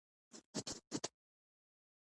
د ژبې د سوځیدو لپاره باید څه شی وکاروم؟